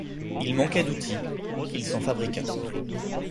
Il manquait d’outils, il s’en fabriqua.